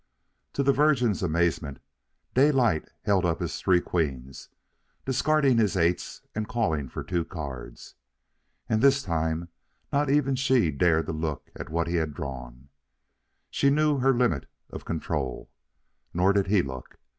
To the Virgin's amazement, Daylight held up his three queens, discarding his eights and calling for two cards. And this time not even she dared look at what he had drawn. She knew her limit of control. Nor did he look.